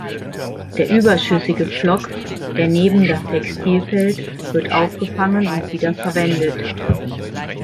Der überschüssige Flock, der neben das Textil fällt, wird aufgefangen und wieder verwendet.